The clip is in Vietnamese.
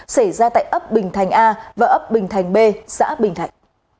xảy ra tại ấp bình thành a và ấp bình thành b xã bình thạnh